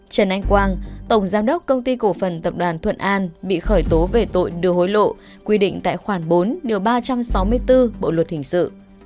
trần anh quang tổng giám đốc công ty cổ phần tập đoàn thuận an bị khởi tố về tội đưa hối lộ quy định tại khoản bốn điều ba trăm sáu mươi bốn bộ luật hình sự